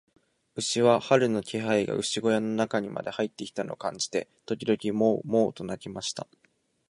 牛は、春の気配が牛小屋の中にまで入ってきたのを感じて、時々モウ、モウと鳴きました。